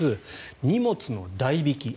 荷物の代引。